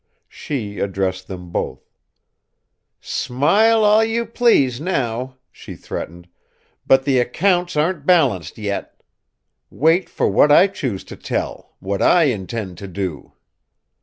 She addressed them both. "Smile all you please, now!" she threatened. "But the accounts aren't balanced yet! Wait for what I choose to tell what I intend to do!"